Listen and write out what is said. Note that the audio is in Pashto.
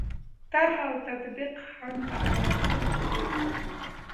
طرح او تطبیق هم په عناصرو کې دي.